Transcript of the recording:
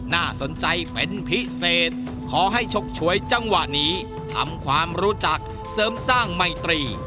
น่าสนใจเป็นพิเศษขอให้ชกฉวยจังหวะนี้ทำความรู้จักเสริมสร้างไมตรี